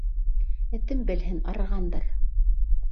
— Этем белһен, арығандыр.